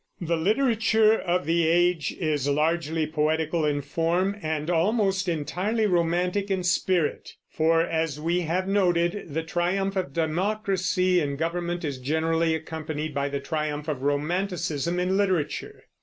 The literature of the age is largely poetical in form, and almost entirely romantic in spirit. For, as we have noted, the triumph of democracy in government is generally accompanied by the triumph of romanticism in literature.